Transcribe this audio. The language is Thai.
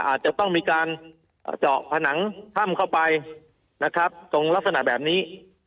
อาจจะต้องมีการเจาะผนังถ้ำเข้าไปนะครับตรงลักษณะแบบนี้